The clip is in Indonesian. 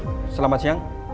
halo selamat siang